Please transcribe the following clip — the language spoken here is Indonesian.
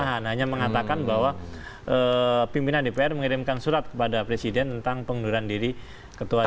hanya mengatakan bahwa pimpinan dpr mengirimkan surat kepada presiden tentang pengunduran diri ketua dpr